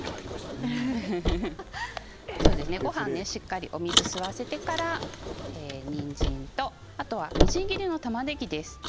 ごはんにしっかりお水を吸わせてからにんじんとみじん切りのたまねぎです。